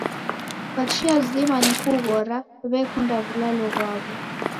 Kwa chia zima ni kughora, w'ekunda w'ulalo ghwaw'o.